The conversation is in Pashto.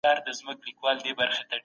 په بازارونو کي د درملو کنټرول پکار دی.